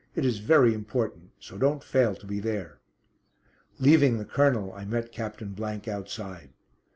It is very important; so don't fail to be there." Leaving the Colonel I met Captain outside.